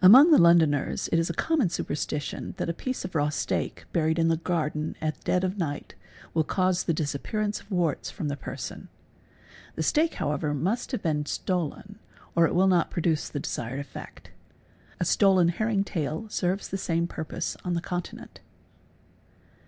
Among the Londoners it is a common superstition that a piece of raw steak buried in the garden at dead of night will cause the disappearance of warts from the person. The steak however must have been stolen or it will not produce the desired effect. A'stolen herring tail serves the same purpose on the Continent.